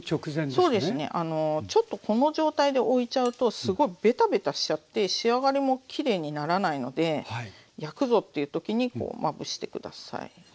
そうですねちょっとこの状態でおいちゃうとすごいベタベタしちゃって仕上がりもきれいにならないので焼くぞっていう時にまぶして下さい。